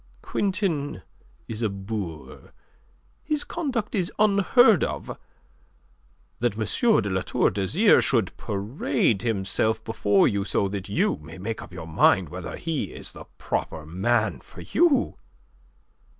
"Quintin is a boor. His conduct is unheard of. That M. de La Tour d'Azyr should parade himself before you so that you may make up your mind whether he is the proper man for you!"